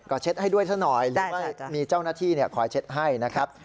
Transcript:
ก็เช็ดให้ด้วยซะหน่อยหรือไม่มีเจ้าหน้าที่คอยเช็ดให้นะครับ